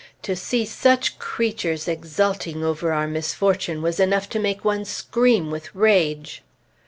To see such creatures exulting over our misfortune was enough to make one scream with rage.